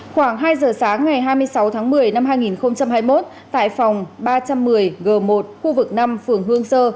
khoảng hai giờ sáng ngày hai mươi sáu tháng một mươi năm hai nghìn hai mươi một tại phòng ba trăm một mươi g một khu vực năm phường hương sơ